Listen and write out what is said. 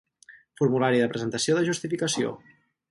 Formulari de presentació de justificació.